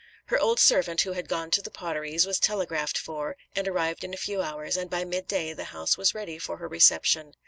Her old servant who had gone to The Potteries, was telegraphed for, and arrived in a few hours, and by midday the house was ready for her reception.